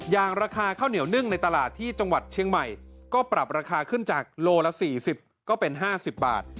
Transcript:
อย่างราคาข้าวเหนียวนึ่งในตลาดที่จังหวัดเชียงใหม่ก็ปรับราคาขึ้นจากโลละ๔๐ก็เป็น๕๐บาท